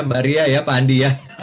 mbak ria ya pak andi ya